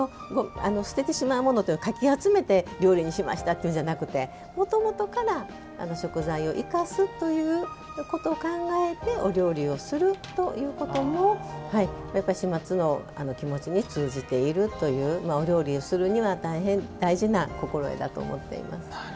捨ててしまうものをかき集めて料理にしましたというんじゃなくてもともとから食材を生かすということを考えてお料理をするということも始末の気持ちに通じているというお料理をするには大変、大事な心得だと思っています。